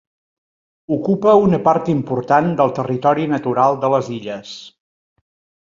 Ocupa una part important del territori natural de les Illes.